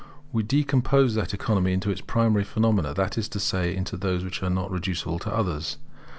We decompose that economy into its primary phenomena, that is to say, into those which are not reducible to others.